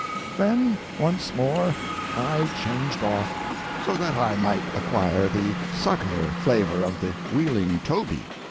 Then, once more, I changed off, so that I might acquire the subtler flavor of the Wheeling toby.